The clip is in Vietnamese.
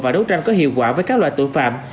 và đấu tranh có hiệu quả với các loại tội phạm